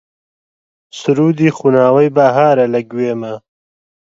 سروودی خوناوەی بەهارە لە گوێما